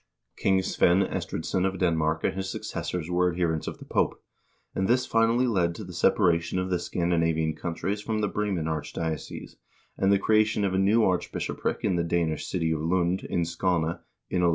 King Svein Estridsson of Denmark and his suc cessors were adherents of the Pope, and this finally led to the separa tion of the Scandinavian countries from the Bremen archdiocese, and the creation of a new archbishopric in the Danish city of Lund, in Skane, in 1104.